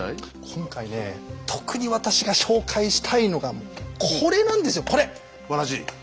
今回ねえ特に私が紹介したいのがこれなんですよこれ！